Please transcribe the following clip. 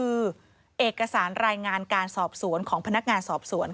โปรดติดตามต่างกรรมโปรดติดตามต่างกรรม